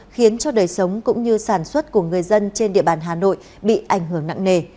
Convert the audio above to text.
khiến cho đời sống cũng như sản xuất của người dân trên địa bàn hà nội bị ảnh hưởng nặng nề